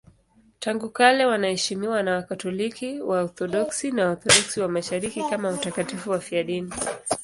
Tangu kale wanaheshimiwa na Wakatoliki, Waorthodoksi na Waorthodoksi wa Mashariki kama watakatifu wafiadini.